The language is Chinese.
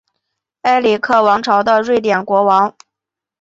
埃里克王朝的瑞典国王。